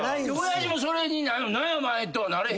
親父もそれに「何やお前」とはなれへんの？